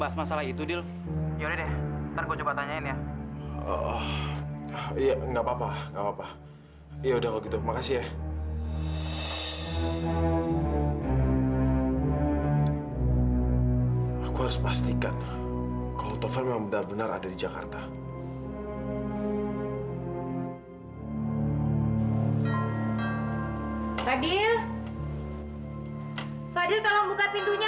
sampai jumpa di video selanjutnya